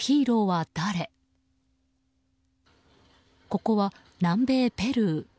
ここは南米ペルー。